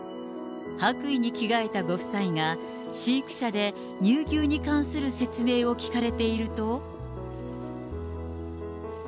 白衣に着替えたご夫妻が、飼育舎で乳牛に関する説明を聞かれていると。